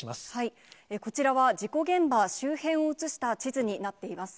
こちらは、事故現場周辺を写した地図になっています。